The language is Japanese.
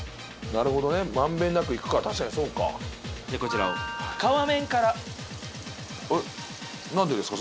なるほどね満遍なくいくから確かにそうかでこちらを皮面からえっなんでですか？